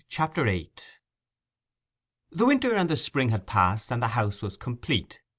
CHAPTER VIII The winter and the spring had passed, and the house was complete.